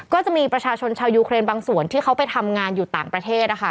ก็จะมีประชาชนชาวยูเครนบางส่วนที่เขาไปทำงานอยู่ต่างประเทศนะคะ